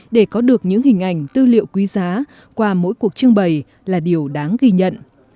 để có được những hình ảnh tư liệu quý giá qua mỗi cuộc trưng bày là điều đáng ghi nhận